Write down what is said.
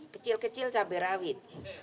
kecil kecil cabai rawit